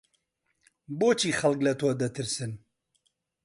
بۆچی خەڵک لە تۆ دەترسن؟